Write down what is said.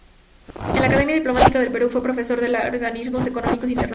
En la Academia Diplomática del Perú fue profesor de Organismos Económicos Internacionales.